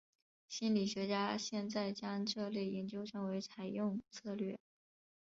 心理学家现在将这类研究称为采用策略。